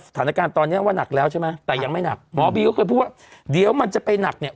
สถานการณ์ตอนนี้ว่าหนักแล้วใช่ไหมแต่ยังไม่หนักหมอบีก็เคยพูดว่าเดี๋ยวมันจะไปหนักเนี่ย